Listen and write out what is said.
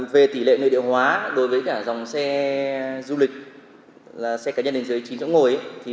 về tỷ lệ nội địa hóa đối với cả dòng xe du lịch là xe cá nhân đến dưới chín chỗ ngồi